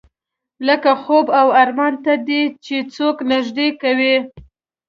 لکه خوب او ارمان ته دې چې څوک نږدې کوي.